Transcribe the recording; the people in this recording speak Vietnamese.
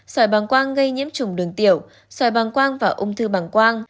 sỏi bằng quang gây nhiễm trùng đường tiểu sỏi bằng quang và ung thư bằng quang